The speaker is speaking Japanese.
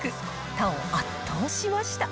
他を圧倒しました。